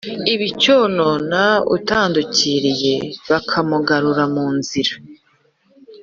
ibicyonona, utandukiriye bakamugarura mu nzira